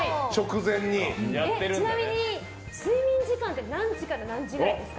ちなみに睡眠時間って何時から何時くらいですか？